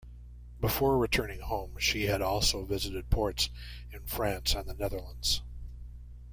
Before returning home, she had also visited ports in France and the Netherlands.